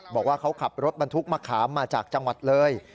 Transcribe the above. บอกว่าเขาขับรถบรรทุกมะขามมาจากจังหวัดเลย